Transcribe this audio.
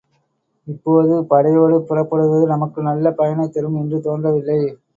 இப்போது படையோடு புறப்படுவது நமக்கு நல்ல பயனைத் தரும் என்று தோன்றவில்லை.